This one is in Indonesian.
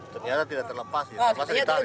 ternyata tidak terlepas ya terlepas di tarik